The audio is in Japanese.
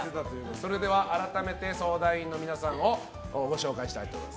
それでは改めて相談員の皆さんをご紹介します。